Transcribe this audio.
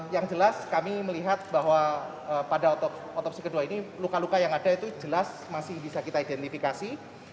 yang jelas kami melihat bahwa pada otopsi kedua ini luka luka yang ada itu jelas masih bisa kita identifikasi